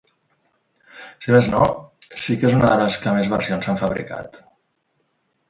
Si més no, sí que és una de les que més versions s'han fabricat.